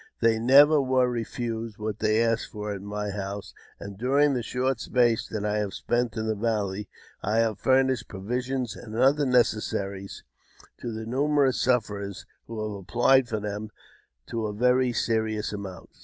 They never were refused what they asked for at my house ; I JAMES P. BECKWOUBTH. 431 •and, during the short space that I have spent in the Valley, I have furnished provisions and other necessaries to the nume rous sufferers who have applied for them to a very serious amount.